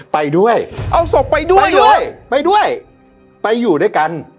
ไปด้วยเอาศพไปด้วยด้วยไปด้วยไปอยู่ด้วยกัน